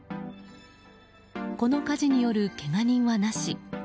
この火事による、けが人はなし。